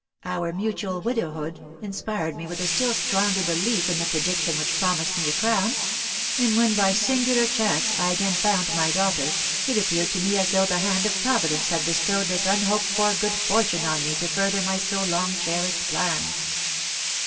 Our mutual widowhood inspired me with a still stronger belief in the prediction which promised me a crown; and when, by singular chance, I again found my daughter, it appeared to me as though the hand of Providence had bestowed this unhoped for good fortune on me to further my so long cherished plans.